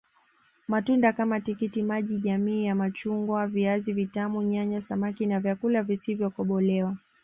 Matunda kama tikiti maji jamii ya machungwa viazi vitamu nyanya samaki na vyakula visivyokobolewa